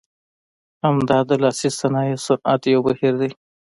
همدا د لاسي صنایع صنعت یو بهیر دی.